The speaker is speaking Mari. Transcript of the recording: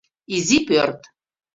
Изи пӧрт.